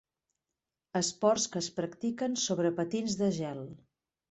Esports que es practiquen sobre patins de gel.